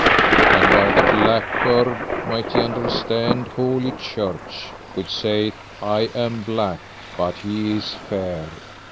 And by the black bird might ye understand Holy Church, which sayeth I am black, but he is fair.